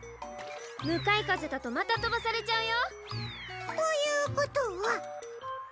むかいかぜだとまたとばされちゃうよ！ということは。